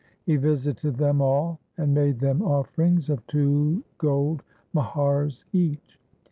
He visited them all, and made them offerings of two gold muhars each.